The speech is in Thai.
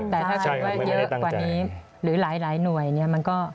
แต่ถ้าเกิดว่าเยอะกว่านี้หรือหลายหน่วยเนี่ยมันก็